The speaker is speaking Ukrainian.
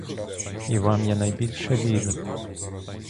І вам я найбільше вірю.